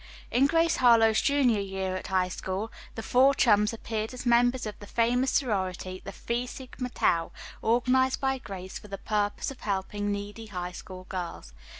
In "Grace Harlowe's Junior Year at High School" the four chums appeared as members of the famous sorority, the "Phi Sigma Tau," organized by Grace for the purpose of helping needy High School girls.